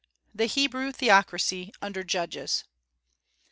THE HEBREW THEOCRACY, UNDER JUDGES.